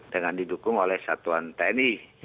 dengan didukung oleh satuan tni